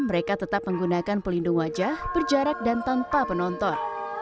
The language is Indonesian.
mereka tetap menggunakan pelindung wajah berjarak dan tanpa penonton